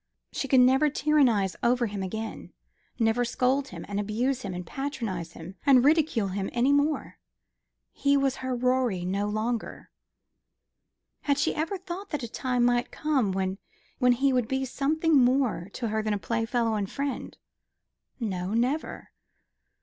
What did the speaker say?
She could never tyrannise over him again never scold him and abuse him and patronise him and ridicule him any more. He was her Rorie no longer. Had she ever thought that a time might come when he would be something more to her than playfellow and friend? No, never.